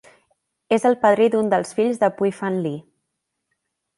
És el padrí d"un dels fills de Pui Fan Lee.